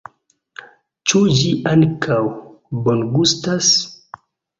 Ĉu ĝi ankaŭ bongustas?